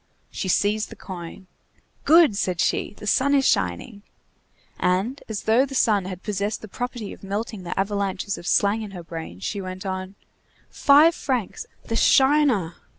She seized the coin. "Good!" said she, "the sun is shining!" And, as though the sun had possessed the property of melting the avalanches of slang in her brain, she went on:— "Five francs! the shiner!